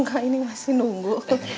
tidak ini masih nunggu